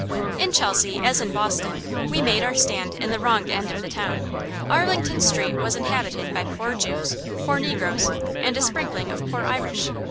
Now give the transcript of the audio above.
In Chelsea, as in Boston, we made our stand in the wrong end of the town. Arlington Street was inhabited by poor Jews, poor Negroes, and a sprinkling of poor Irish.